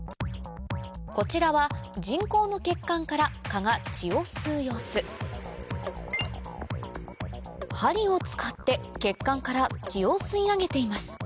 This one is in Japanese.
こちらは人工の血管から蚊が血を吸う様子針を使って血管から血を吸い上げています